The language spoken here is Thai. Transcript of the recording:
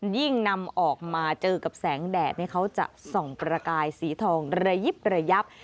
ยิ่งนำออกมาเจอกับแสงแดดเขาจะส่องประกายสีทองระยิบระยับ